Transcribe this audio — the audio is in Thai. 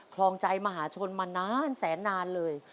คลองใจมหาชนมานานแสนนานเลย